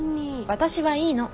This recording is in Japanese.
私はいいの。